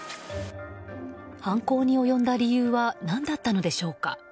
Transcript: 犯行に及んだ理由は何だったのでしょうか。